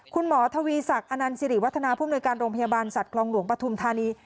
คุณหมอทวีศักดิ์อนันต์สิริวัฒนาภูมิหน่วยการโรงพยาบาลสัตว์คลองหลวงปฐุมธานี